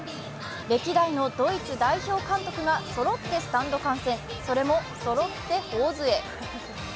歴代のドイツ代表監督がそろってスタンド観戦、それも、そろって頬づえ。